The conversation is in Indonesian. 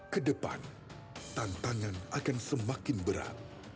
kedepan tantangan akan semakin berat